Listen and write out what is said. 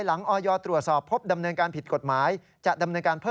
ยอมรับว่าการตรวจสอบเพียงเลขอยไม่สามารถทราบได้ว่าเป็นผลิตภัณฑ์ปลอม